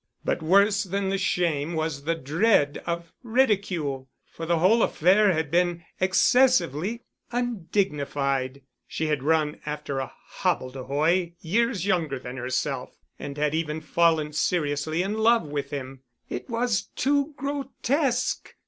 But worse than the shame was the dread of ridicule; for the whole affair had been excessively undignified: she had run after a hobbledehoy years younger than herself, and had even fallen seriously in love with him. It was too grotesque.